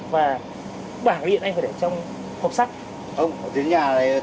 và bảng điện anh phải để trong hộp sắt